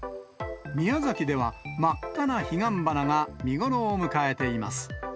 宮崎では真っ赤な彼岸花が見頃を迎えています。